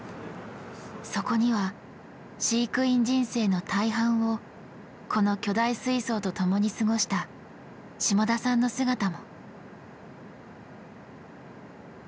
そこには飼育員人生の大半をこの巨大水槽と共に過ごした下田さんの姿も。